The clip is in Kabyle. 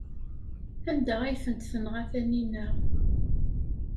Anda ay ten-tenɣa Taninna?